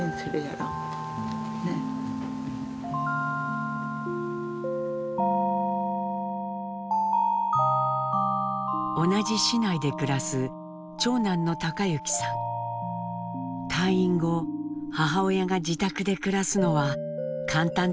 退院後母親が自宅で暮らすのは簡単ではないと感じていました。